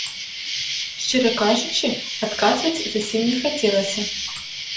Шчыра кажучы, адказваць зусім не хацелася.